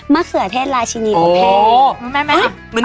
มะเขือเทศราชินีปุ๊ปเภย